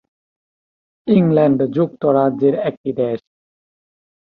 England যুক্তরাজ্যের একটি দেশ।